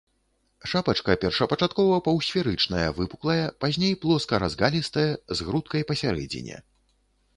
Шапачка першапачаткова паўсферычная, выпуклая, пазней плоска-разгалістая, з грудкай пасярэдзіне.